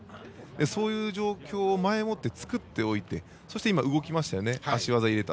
そういう状況を前もって作っておいてそして動いて足技を入れた。